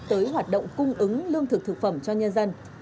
tới hoạt động cung ứng lương thực thực phẩm cho nhân dân